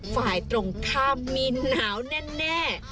ฝ่ายตรงข้ามมีหนาวแน่